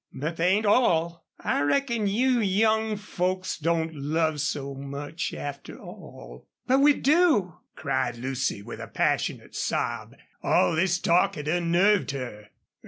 ... But they ain't all.... I reckon you young folks don't love so much, after all." "But we do!" cried Lucy, with a passionate sob. All this talk had unnerved her.